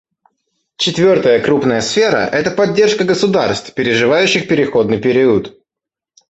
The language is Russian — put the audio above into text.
Четвертая крупная сфера — это поддержка государств, переживающих переходный период.